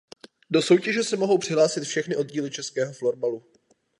Do soutěže se mohou přihlásit všechny oddíly Českého florbalu.